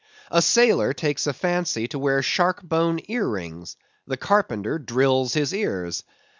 A sailor takes a fancy to wear shark bone ear rings: the carpenter drills his ears.